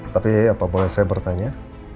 tapi apa boleh saya bertanya